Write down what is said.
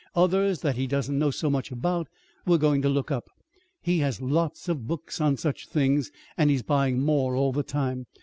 Others, that he doesn't know so much about, we're going to look up. He has lots of books on such things, and he's buying more all the time.